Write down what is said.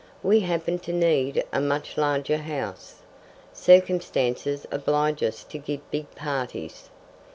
We happen to need a much larger house. Circumstances oblige us to give big parties.